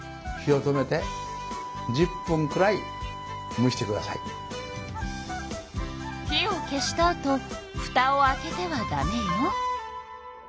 なべから火を消したあとふたを開けてはダメよ。